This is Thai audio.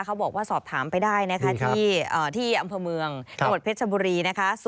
เขาบอกว่าสอบถามไปได้ที่อำเภอเมืองอเพชรบุรี๐๓๒๔๐๓๘๘๘